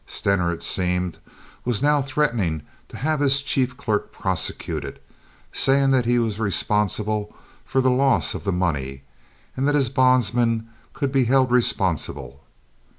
Stener, it seemed, was now threatening to have his chief clerk prosecuted, saying that he was responsible for the loss of the money and that his bondsmen could be held responsible.